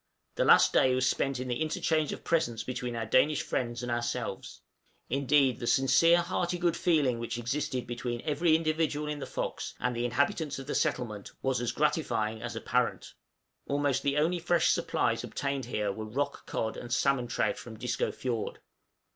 The last day was spent in the interchange of presents between our Danish friends and ourselves; indeed, the sincere hearty good feeling which existed between every individual in the 'Fox' and the inhabitants of the settlement was as gratifying as apparent. Almost the only fresh supplies obtained here were rock cod and salmon trout from Disco fiord.